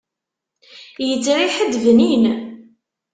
Yettriḥ-d bnin.